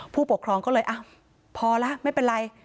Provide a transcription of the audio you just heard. ผู้ปกครองก็เลยพอแล้วไม่เป็นไร